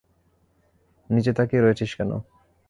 নীচে তাকিয়ে রয়েছিস কেন?